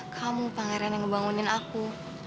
kamu pangeran yang ngebangunin aku